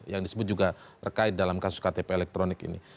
yang disebut juga terkait dalam kasus ktp elektronik ini